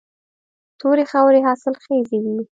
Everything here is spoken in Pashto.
تورې خاورې حاصلخیزې وي.